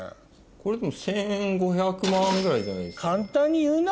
これでも１５００万ぐらいじゃないですかね。